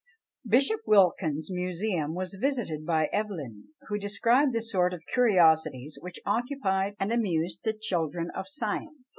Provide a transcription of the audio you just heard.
Bishop Wilkins's museum was visited by Evelyn, who describes the sort of curiosities which occupied and amused the children of science.